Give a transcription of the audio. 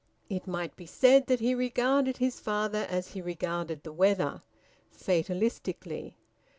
It might be said that he regarded his father as he regarded the weather, fatalistically.